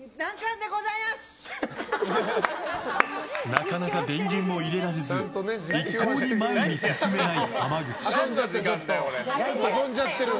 なかなか電源を入れられず一向に前に進めない浜口。